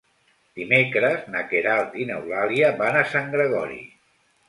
Dimecres na Queralt i n'Eulàlia van a Sant Gregori.